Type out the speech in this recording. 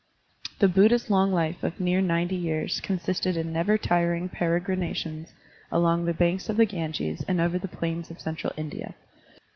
The Buddha's long life of near ninety years consisted in never tiring peregrinations along the banks of the Ganges and over the plains of Central India.